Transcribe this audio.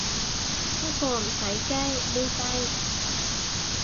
不過唔使驚，妹釘